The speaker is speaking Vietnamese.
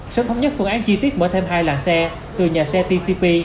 sớm thống nhất phương án chi tiết mở thêm hai làng xe từ nhà xe tcp